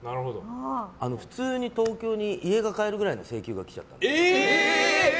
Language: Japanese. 普通に東京に家が買えるぐらいの請求が来ちゃったの。